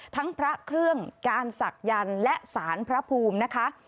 พระเครื่องการศักยันต์และสารพระภูมินะคะ